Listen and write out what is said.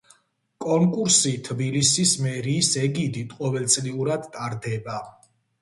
კონკურსი თბილისის მერიის ეგიდით ყოველწლიურად ტარდება.